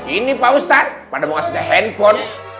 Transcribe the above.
ini pak ustadz pada mau ngasih handphone